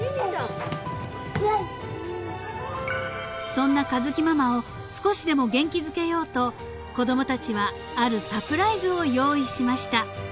［そんな佳月ママを少しでも元気づけようと子供たちはあるサプライズを用意しました］